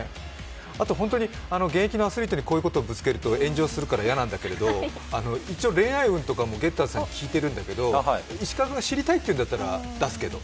あと、現役のアスリートにこういうことをぶつけると炎上するから嫌なんだけど、一応、恋愛運とかもゲッターズさんに聞いてるんだけど、石川君が知りたいんだったら出すけど。